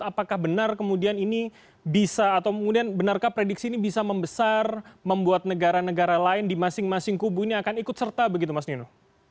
apakah benar kemudian ini bisa atau kemudian benarkah prediksi ini bisa membesar membuat negara negara lain di masing masing kubu ini akan ikut serta begitu mas ninu